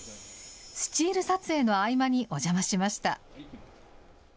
スチール撮影の合間にお邪魔しました。